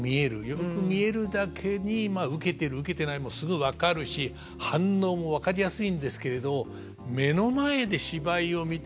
よく見えるだけに受けてる受けてないもすぐ分かるし反応も分かりやすいんですけれど目の前で芝居を見てられるその怖さ。